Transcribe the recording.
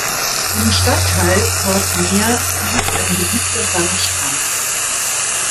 Im Stadtteil Port-Mer liegt ein beliebter Sandstrand.